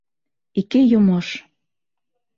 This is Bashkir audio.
Ике йомош!